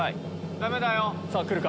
ダメだよ。